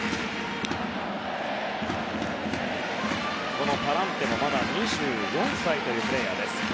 このパランテもまだ２４歳というプレーヤー。